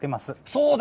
そうだ！